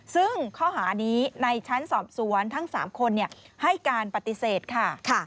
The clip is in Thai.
ซึ่งข้อหานี้ในชั้นสอบสวนทั้ง๓คนให้การปฏิเสธค่ะ